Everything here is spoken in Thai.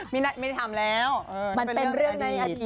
ไม่ได้ทำแล้วมันเป็นเรื่องในอดีต